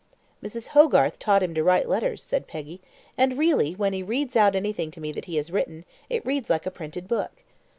"Mrs. Hogarth taught him to write letters," said Peggy; "and really when he reads out anything to me that he has written, it reads like a printed book.